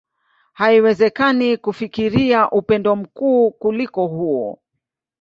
Haiwezekani kufikiria upendo mkuu kuliko huo.